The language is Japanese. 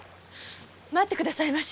待ってくださいまし！